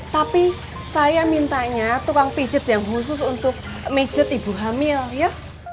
tapi saya mintanya tukang pijet yang khusus untuk meja ibu hamil ya